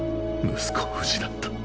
息子を失った。